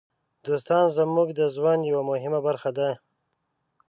دوستان زموږ د ژوند یوه مهمه برخه دي.